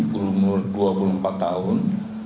berumur dua puluh empat tahun